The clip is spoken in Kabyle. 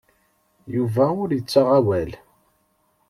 Yuba ur yettaɣ awal.